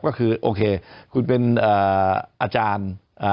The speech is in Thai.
ก็คือโอเคคุณเป็นอาจารย์